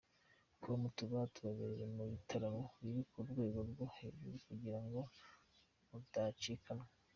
com tuba tubabereye mu bitaramo biri ku rwego rwo hejuru kugira ngo mudacikanwa.